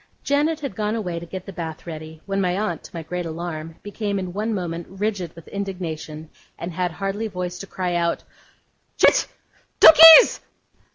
Janet had gone away to get the bath ready, when my aunt, to my great alarm, became in one moment rigid with indignation, and had hardly voice to cry out, 'Janet! Donkeys!